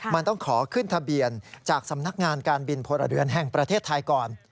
มันต้องขอขึ้นทะเบียนจากสำนักงานการบินพลเรือนแห่งประเทศไทยก่อน